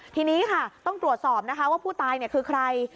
ทีนี้ค่ะต้องตรวจสอบนะคะว่าผู้ตายคือใคร